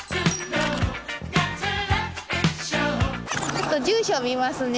ちょっと住所見ますね。